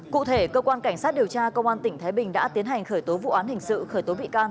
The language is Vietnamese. cụ thể cơ quan cảnh sát điều tra công an tỉnh thái bình đã tiến hành khởi tố vụ án hình sự khởi tố bị can